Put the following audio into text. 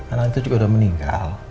anak itu juga sudah meninggal